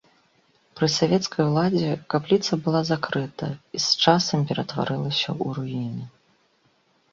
Пры савецкай уладзе капліца была закрыта і з часам ператварылася ў руіны.